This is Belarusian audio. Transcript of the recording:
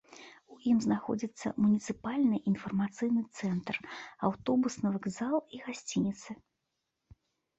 У ім знаходзяцца муніцыпальны інфармацыйны цэнтр, аўтобусны вакзал і гасцініцы.